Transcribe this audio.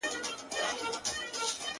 په يوه تار پېيلي زړونه شلېږي,